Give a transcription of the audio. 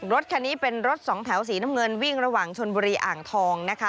รถคันนี้เป็นรถสองแถวสีน้ำเงินวิ่งระหว่างชนบุรีอ่างทองนะคะ